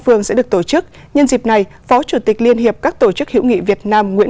phương sẽ được tổ chức nhân dịp này phó chủ tịch liên hiệp các tổ chức hiểu nghị việt nam nguyễn